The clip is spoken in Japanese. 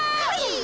はい。